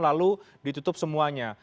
lalu ditutup semuanya